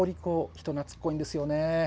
人懐っこいんですよね。